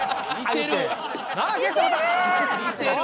似てる！